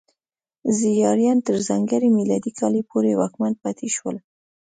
زیاریان تر ځانګړي میلادي کاله پورې واکمن پاتې شول.